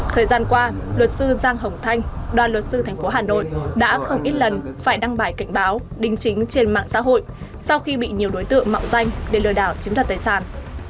thời gian qua luật sư giang hồng thanh đoàn luật sư thành phố hà nội đã không ít lần phải đăng bài cảnh báo đính chính trên mạng xã hội sau khi bị nhiều đối tượng mạo danh để lừa đảo chiếm đặt tài sản